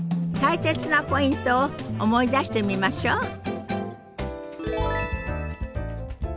大切なポイントを思い出してみましょう。